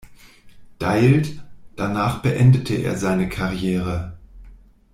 Deild", danach beendete er seine Karriere.